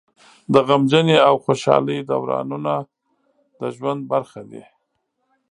د غمجنۍ او خوشحالۍ دورانونه د ژوند برخه دي.